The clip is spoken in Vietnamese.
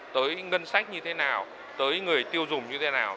tới ngân sách như thế nào tới người tiêu dùng như thế nào